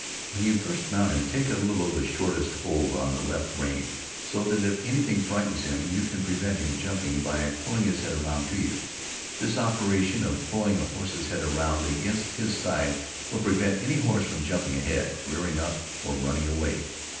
When you first mount him take a little the shortest hold on the left rein, so that if any thing frightens him you can prevent him jumping by pulling his head around to you. This operation of pulling a horse's head around against his side will prevent any horse from jumping ahead, rearing up, or running away.